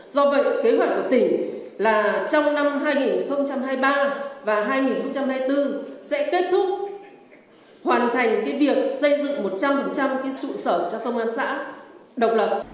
do vậy kế hoạch của tỉnh là trong năm hai nghìn hai mươi ba và hai nghìn hai mươi bốn sẽ kết thúc hoàn thành việc xây dựng một trăm linh trụ sở cho công an xã độc lập